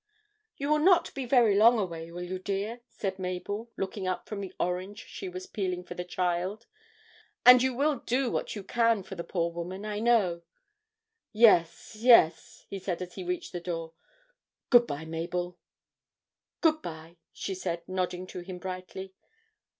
'You will not be very long away, will you, dear?' said Mabel, looking up from the orange she was peeling for the child. 'And you will do what you can for the poor woman, I know.' 'Yes, yes,' he said as he reached the door. 'Good bye, Mabel!' 'Good bye,' she said, nodding to him brightly.